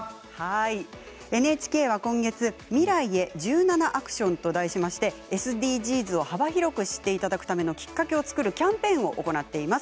ＮＨＫは今月「未来へ１７ａｃｔｉｏｎ」と題してＳＤＧｓを幅広く知っていただくためのきっかけを作るキャンペーンを行っています。